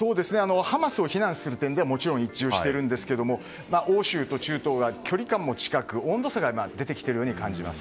ハマスを非難する点ではもちろん一致しているんですが欧州と中東が距離感も近く温度差が出てきていると感じます。